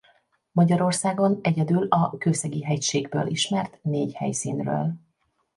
Magyarországon egyedül a Kőszegi-hegységből ismert négy helyszínről.